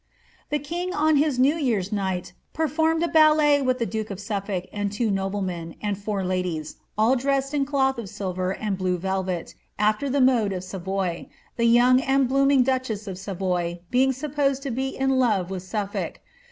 The king on new year's night performed a ballet with the duke of Suffolk and two noblemen, and four ladies, all dressed in cloth of silver and blue velvet, after the mode of Savoy, the young and blooming duchess of Savoy being supposed to be in love with Suffolk.